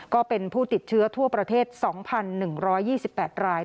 ก็เป็นผู้ติดเชื้อทั่วประเทศ๒๑๒๘ราย